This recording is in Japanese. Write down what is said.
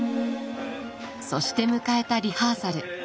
そして迎えたリハーサル。